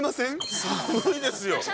寒いですよ。